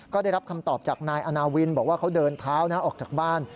ก็ได้รับคำตอบจากนายอาณาวินบอกว่าเขาเดินเท้านะออกจากบ้าน